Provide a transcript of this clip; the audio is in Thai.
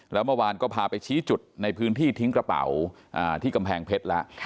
แล้วเมื่อวานก็พาไปชี้จุดในพื้นที่ทิ้งกระเป๋าที่กำแพงเพชรแล้ว